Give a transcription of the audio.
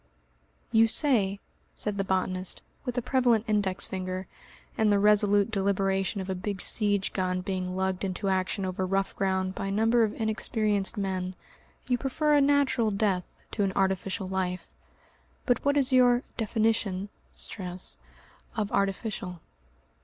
"You say," said the botanist, with a prevalent index finger, and the resolute deliberation of a big siege gun being lugged into action over rough ground by a number of inexperienced men, "you prefer a natural death to an artificial life. But what is your definition (stress) of artificial?